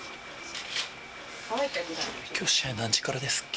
今日試合何時からですっけ？